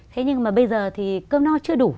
thế nhưng mà bây giờ thì cơm nó chưa đủ